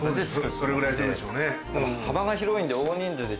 それぐらいするでしょうね。